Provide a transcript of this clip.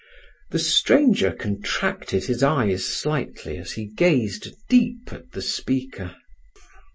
The stranger contracted his eyes slightly as he gazed deep at the speaker.